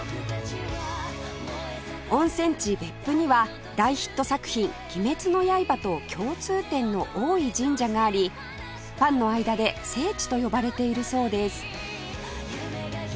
温泉地別府には大ヒット作品『鬼滅の刃』と共通点の多い神社がありファンの間で聖地と呼ばれているそうです